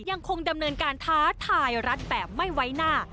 ยังคงดำเนินการท้าทายรัฐแบบไม่ไว้หน้า